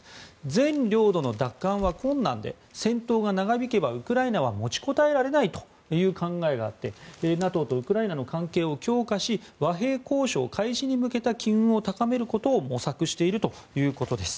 全領土の奪還は困難で戦闘が長引けばウクライナは持ちこたえられないという考えがあってＮＡＴＯとウクライナの関係を強化し和平交渉開始に向けた機運を高めることを模索しているということです。